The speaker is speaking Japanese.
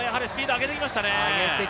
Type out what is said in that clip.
上げてきましたね